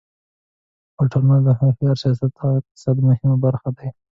هوټلونه د ښار د سیاحت او اقتصاد مهمه برخه دي.